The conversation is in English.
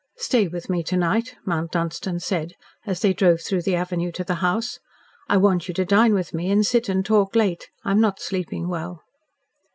"Stay with me to night," Mount Dunstan said, as they drove through the avenue to the house. "I want you to dine with me and sit and talk late. I am not sleeping well."